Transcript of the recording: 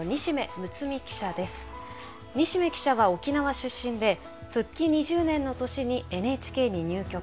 西銘記者は沖縄出身で復帰２０年の年にＮＨＫに入局。